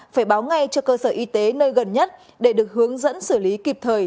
phải báo ngay cho cơ sở y tế nơi gần nhất để được hướng dẫn xử lý kịp thời